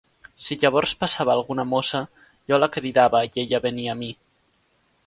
Si llavors passava alguna mossa, jo la cridava i ella venia a mi.